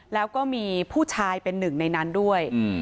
แล้วก็มีผู้ชายเป็นหนึ่งในนั้นด้วย